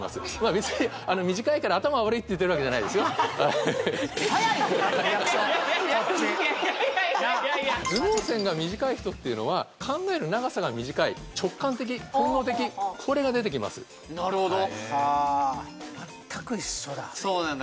別に短いから頭が悪いって言ってるわけじゃないですよいやいやいやいやいや頭脳線が短い人っていうのは考える長さが短い直感的本能的これが出てきますそうなんだ